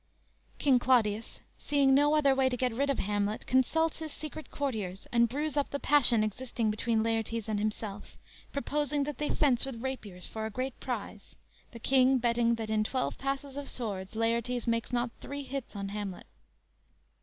"_ King Claudius seeing no other way to get rid of Hamlet, consults his secret courtiers and brews up the passion existing between Laertes and himself, proposing that they fence with rapiers for a great prize, the King betting that in twelve passes of swords Laertes makes not three hits on Hamlet.